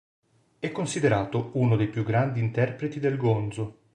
È considerato uno dei più grandi interpreti del gonzo.